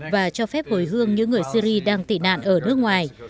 và cho phép hồi hương những người syri đang tị nạn ở nước ngoài